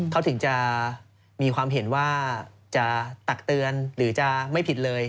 เขาถึงจะมีความเห็นว่าจะตักเตือนหรือจะไม่ผิดเลย